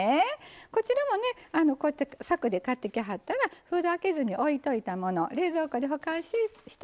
こちらもねこうやってさくで買ってきはったら開けずにおいといたもの冷蔵庫で保管しといたものを使いますね。